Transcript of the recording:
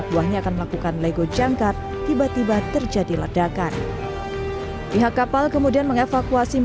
buahnya akan melakukan lego jangkar tiba tiba terjadi ledakan pihak kapal kemudian mengevakuasi